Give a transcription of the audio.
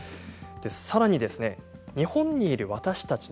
さらに日本にいる私たち